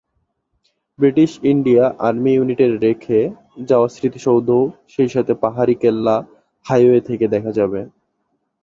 British Indian army ইউনিটের রেখে যাওয়া স্মৃতিসৌধ, সেইসাথে পাহাড়ী কেল্লা, হাইওয়ে থেকে দেখা যাবে।